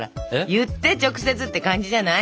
言って直接って感じじゃない？